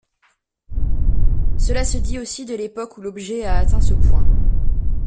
Cela se dit aussi de l'époque où l'objet a atteint ce point.